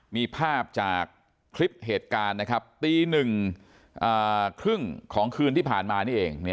มีภาพจากคลิปเหตุการณ์นะครับตี๑๓๐ของคืนที่ผ่านมานี่เอง